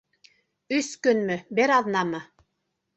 Өс көнмө, бер аҙнамы?